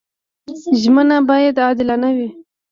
ژمنه باید عادلانه وي.